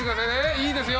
いいですよ